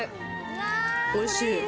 おいしい。